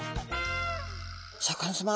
シャーク香音さま